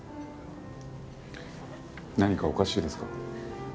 何かおかしいですか？